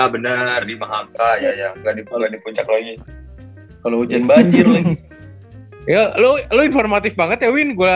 benar lima hk ya ya nggak dipuluh di puncak lagi kalau hujan banjir yang lo informatif banget ya win gua